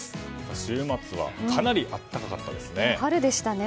週末はかなり暖かかったですね。